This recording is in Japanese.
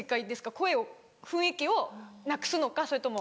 声を雰囲気をなくすのかそれとも。